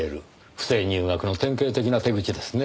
不正入学の典型的な手口ですね。